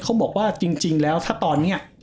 เขาบอกว่าจริงแล้วถ้าตอนนี้